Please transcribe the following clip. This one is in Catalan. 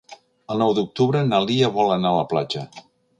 El nou d'octubre na Lia vol anar a la platja.